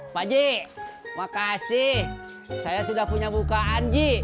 pakji makasih saya sudah punya mukaan ji